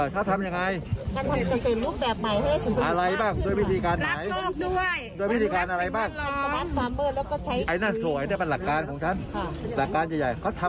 เกษตรอินทรีย์เออข้าวทำยังไงข้าวเกษตรลูกแบบใหม่